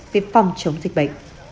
về phòng chống dịch tễ